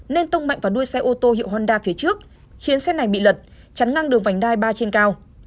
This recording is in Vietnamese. nên tông mạnh vào đuôi xe ô tô hiệu honda phía trước khiến xe này bị lật chắn ngang đường vành đai ba trên cao